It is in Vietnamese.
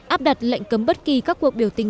áp đặt lệnh cấm bất kỳ các cuộc biểu tình